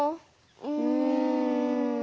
うん。